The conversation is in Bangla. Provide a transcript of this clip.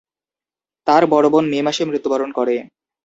তার বড় বোন মে মাসে মৃত্যুবরণ করে।